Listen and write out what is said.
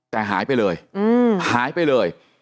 แต่หายไปเลยหายไปเลย